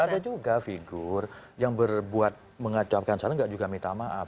ada juga figur yang berbuat mengatakan salah enggak juga minta maaf